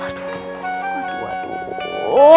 aduh aduh aduh